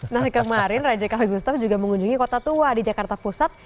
nah kemarin raja kali gustav juga mengunjungi kota tua di jakarta pusat